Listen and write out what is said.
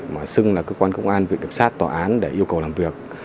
mà xưng là cơ quan công an viện kiểm sát tòa án để yêu cầu làm việc